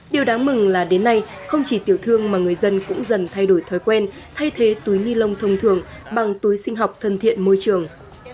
điều đáng mừng là đến nay không chỉ tiểu thương mà người dân cũng dần thay đổi thói quen thay thế túi ni lông thông thường bằng túi sinh học thân thiện môi trường